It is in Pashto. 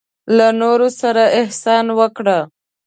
له نورو سره احسان وکړه.